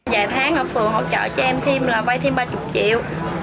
vài tháng ở phường hỗ trợ cho em thêm là vay thêm ba mươi triệu